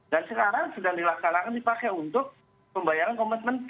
dan sekarang sudah dilaksanakan dipakai untuk pembayaran komitmen p